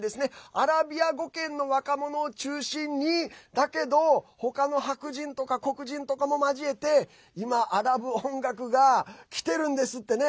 アラビア語圏の若者を中心にだけど他の白人とか黒人とかも交えて今、アラブ音楽がきてるんですってね。